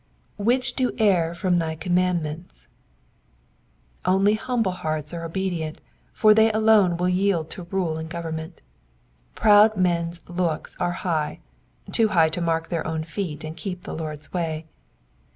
^'' Which do err from thy commandments,'*^ Only humble hearts are obedient, for they alone will yield to rule and government. Proud men's looks are high, too high to mark their own feet and keep the Lord's way.